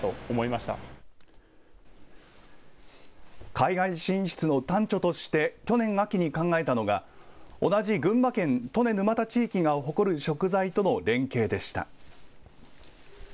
海外進出の端緒として去年秋に考えたのが同じ群馬県利根沼田地域が誇る食材との連携でした。